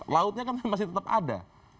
lautnya kan masih tetap ada